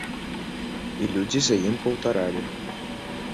І людзі за ім паўтаралі.